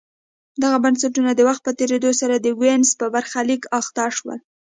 دغه بنسټونه د وخت په تېرېدو سره د وینز په برخلیک اخته شول